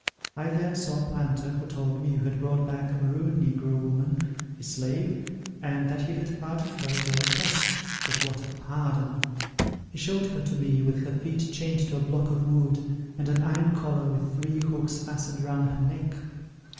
I there saw a planter, who told me you had brought back a Maroon negro woman, his slave, and that he had pardoned her at your request. But what a pardon! he showed her to me with her feet chained to a block of wood, and an iron collar with three hooks fastened round her neck!